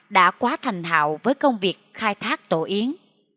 đã quá thành hào với công việc khai thác tổ yến